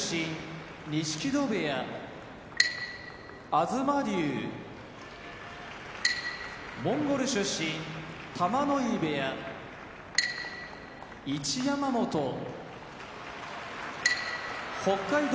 東龍モンゴル出身玉ノ井部屋一山本北海道